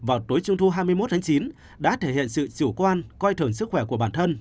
vào tối trung thu hai mươi một tháng chín đã thể hiện sự chủ quan coi thường sức khỏe của bản thân